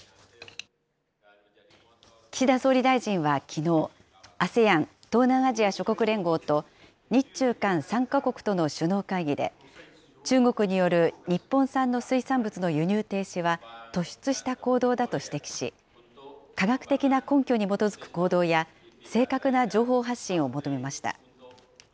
岸田総理大臣はきのう、ＡＳＥＡＮ・東南アジア諸国連合と日中韓３か国との首脳会議で、中国による日本産の水産物の輸入停止は突出した行動だと指摘し、科学的な根拠に基づく行動や、正確な情報発信を求めました。